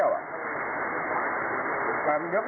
อาบน้ำเป็นจิตเที่ยว